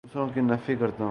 دوسروں کے نفی کرتا ہوں